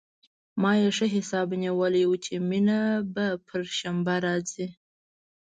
ما يې ښه حساب نيولى و چې مينه به پر شنبه راځي.